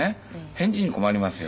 返事に困りますよ。